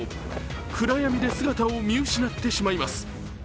暗闇で姿を見失ってしまいます。